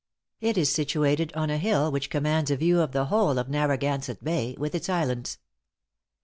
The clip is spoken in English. It is situated on a hill, which commands a view of the whole of Narragansett Bay, with its islands.